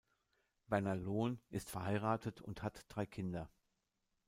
Werner Lohn ist verheiratet und hat drei Kinder.